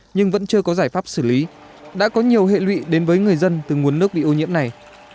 nhưng vẫn chưa có giải pháp xử lý đã có nhiều hệ lụy đến với người dân từ nguồn nước bị ô nhiễm này